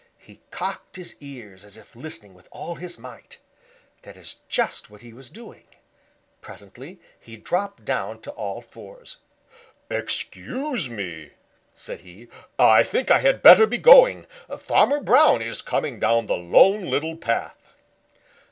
He cocked his ears as if listening with all his might. That is just what he was doing. Presently he dropped down to all fours. "Excuse me," said he, "I think I had better be going. Farmer Brown is coming down the Lone Little Path."